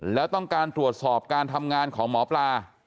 แล้วต้องการตรวจสอบการทำงานของหมอปลา